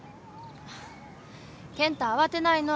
健太慌てないの。